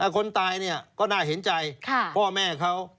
คนตายก็น่าเห็นใจพ่อแม่เขา